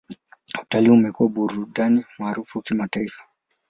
Utalii umekuwa burudani maarufu kimataifa.